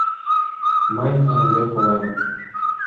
Мый ынде колем...